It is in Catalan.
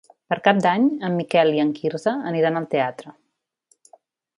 Per Cap d'Any en Miquel i en Quirze aniran al teatre.